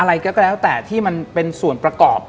อะไรก็แล้วแต่ที่มันเป็นส่วนประกอบ